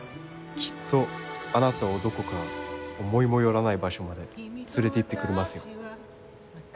きっとあなたをどこか思いも寄らない場所まで連れていってくれますよ。